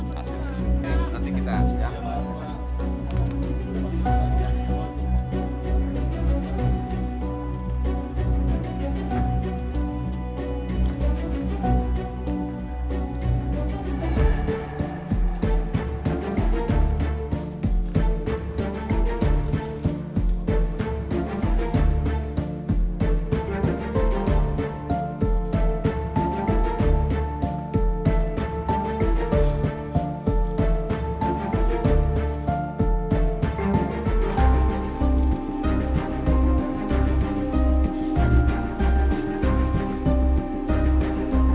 perapar tiga per tune